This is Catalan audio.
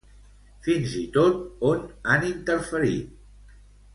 Fins i tot, on han interferit?